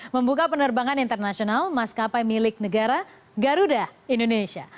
membuka penerbangan internasional maskapai milik negara garuda indonesia